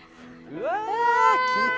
うわ！来た！